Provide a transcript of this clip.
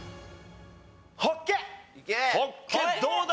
ホッケどうだ？